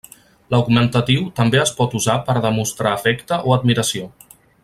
L'augmentatiu també es pot usar per a demostrar afecte o admiració.